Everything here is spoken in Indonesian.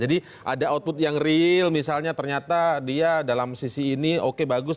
jadi ada output yang real misalnya ternyata dia dalam sisi ini oke bagus